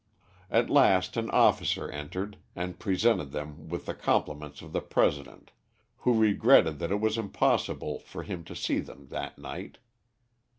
At last an officer entered, and presented them with the compliments of the President, who regretted that it was impossible for him to see them that night.